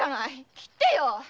斬ってよ‼